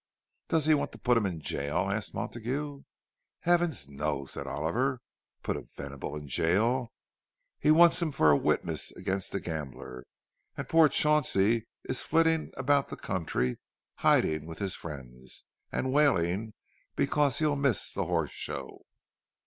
"Does he want to put him in jail?" asked Montague. "Heavens, no!" said Oliver. "Put a Venable in jail? He wants him for a witness against the gambler; and poor Chauncey is flitting about the country hiding with his friends, and wailing because he'll miss the Horse Show."